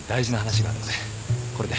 これで。